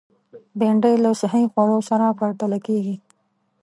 بېنډۍ له صحي خوړو سره پرتله کېږي